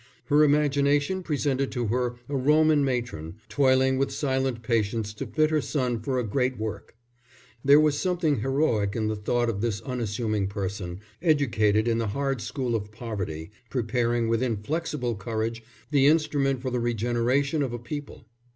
Her imagination presented to her a Roman matron, toiling with silent patience to fit her son for a great work. There was something heroic in the thought of this unassuming person, educated in the hard school of poverty, preparing with inflexible courage the instrument for the regeneration of a people.